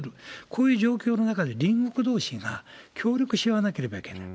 こういう状況の中で、隣国どうしが協力し合わなければいけない。